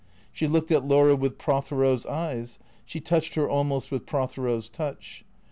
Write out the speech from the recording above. She looked at Laura with Prothero's eyes, she touched her almost with Prothero's touch.